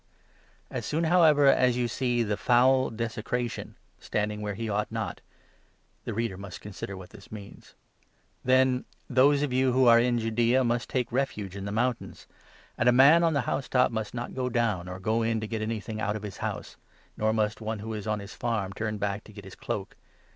As soon, however, as you see ' the Foul Desecration ' standing where he ought not " (the reader must consider what this means) "then those of you who are in Judaea must take refuge in the mountains ; and a man on the house top must not go down, or go in to get anything otit of his house ; nor must one who is on his farm turn back to get his cloak.